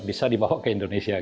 bisa dibawa ke indonesia